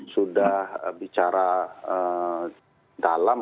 sudah bicara dalam